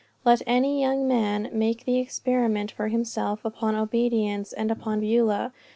Let any young man make the experiment for himself upon obedience and upon Beulah.